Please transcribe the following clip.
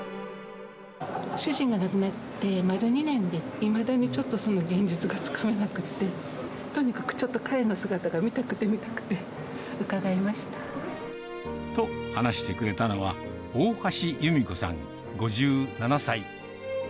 主人が亡くなって丸２年で、いまだにちょっと、その現実がつかめなくて、とにかくちょっと彼の姿が見たくて見たくて、伺いました。と話してくれたのは、大橋由美子さん５７歳。